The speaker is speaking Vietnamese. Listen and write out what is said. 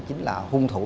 chính là hung thủ